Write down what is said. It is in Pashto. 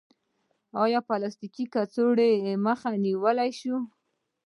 آیا د پلاستیکي کڅوړو مخه نیول شوې؟